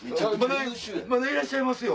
「まだいらっしゃいますよ」。